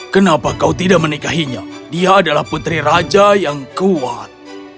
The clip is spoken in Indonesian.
kenapa kau tidak menikahinya dia adalah putri raja yang kuat